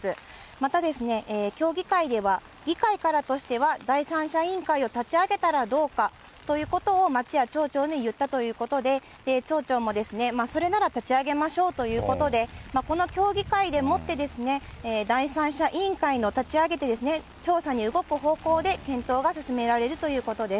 またですね、協議会では、議会からとしては第三者委員会を立ち上げたらどうかということを町や町長に言ったということで、町長も、それなら立ち上げましょうということで、この協議会でもって、第三者委員会を立ち上げて、調査に動く方向に検討が進められるということです。